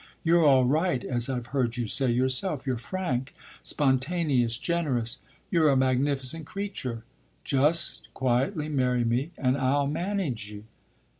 You're all right, as I've heard you say yourself; you're frank, spontaneous, generous; you're a magnificent creature. Just quietly marry me and I'll manage you."